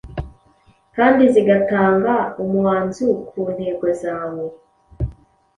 kandi zigatanga umuanzu ku ntego zawe